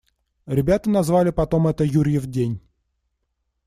Ребята назвали потом это «Юрьев день».